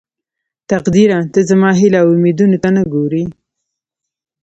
تقديره ته زما هيلې او اميدونه ته نه ګورې.